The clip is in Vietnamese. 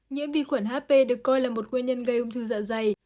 nhiễm vi khuẩn hp được coi là một nguyên nhân gây ung thư dạ dày